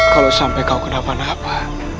kalau sampai kau kenapa napa